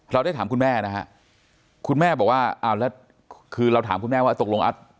เราได้ถามคุณแม่นะฮะคุณแม่บอกว่าอ้าวแล้วคือเราถามคุณแม่ว่าตกลงอ่ะ